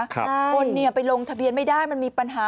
คนไปลงทะเบียนไม่ได้มันมีปัญหา